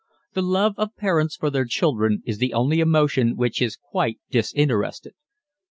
The love of parents for their children is the only emotion which is quite disinterested.